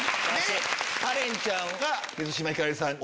カレンちゃんが。